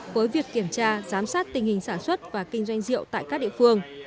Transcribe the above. với việc kiểm tra giám sát tình hình sản xuất và kinh doanh rượu tại các địa phương